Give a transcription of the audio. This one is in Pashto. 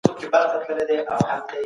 که قانون وي، نو عدالت تامينېږي.